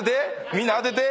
みんな当てて。